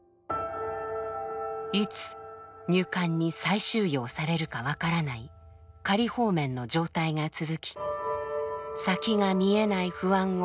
いつ入管に再収容されるか分からない「仮放免」の状態が続き先が見えない不安を抱えています。